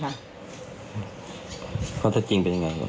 เพราะฉะนั้นถ้าจริงเป็นอย่างไร